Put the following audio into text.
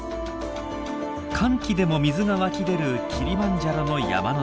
乾季でも水が湧き出るキリマンジャロの山の中。